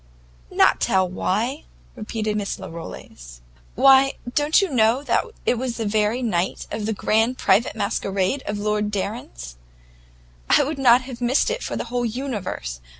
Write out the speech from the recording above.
"Not tell why?" repeated Miss Larolles, "why, don't you know it was the very night of the grand private masquerade at Lord Darien's? I would not have missed it for the whole universe.